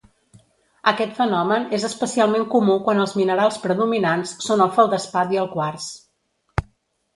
Aquest fenomen és especialment comú quan els minerals predominants són el feldespat i el quars.